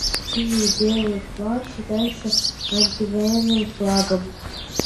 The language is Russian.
Бело-сине-белый флаг считается антивоенным флагом.